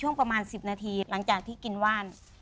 ช่วงประมาณ๑๐นาทีหลังจากที่กินว่าน